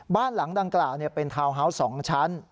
บ้านหลังดังกล่าวเป็นทาวน์ฮาวส์๒ชั้น